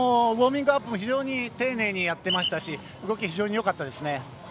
ウォーミングアップも非常に丁寧にやってましたし動き、非常によかったですね。